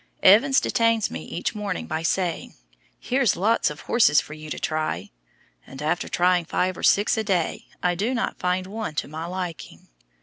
Evans detains me each morning by saying, "Here's lots of horses for you to try," and after trying five or six a day, I do not find one to my liking.